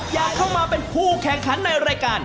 อยากเข้ามาเป็นผู้แข่งขันในรายการ